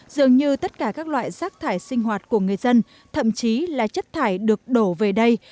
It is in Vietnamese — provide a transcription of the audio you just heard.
dường như tất cả các loại rác thải sinh hoạt của người dân thậm chí là chất thải được đổ về đây